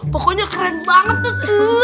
pokoknya keren banget tuh